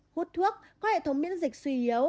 hút thuốc có hệ thống miễn dịch suy yếu